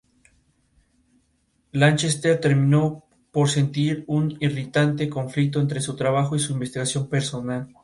Fue coetáneo de otros fotógrafos afamados como fue Jean Laurent y Charles Clifford.